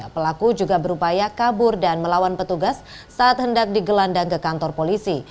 pelaku juga berupaya kabur dan melawan petugas saat hendak digelandang ke kantor polisi